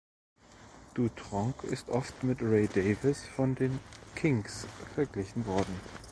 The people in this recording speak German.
Dutronc ist oft mit Ray Davies von den Kinks verglichen worden.